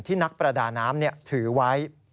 นักประดาน้ำถือไว้